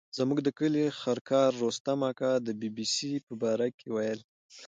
زموږ د کلي خرکار رستم اکا د بي بي سي په باره کې ویل.